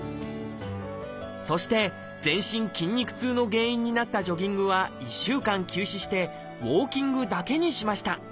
そして全身筋肉痛の原因になったジョギングは１週間休止してウォーキングだけにしました。